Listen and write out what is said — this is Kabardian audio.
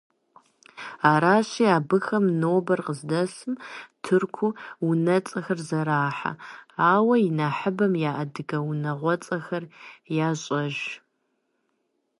Аращи, абыхэм нобэр къыздэсым тырку унэцӏэхэр зэрахьэ, ауэ инэхъыбэм я адыгэ унагъуэцӏэхэр ящӏэж.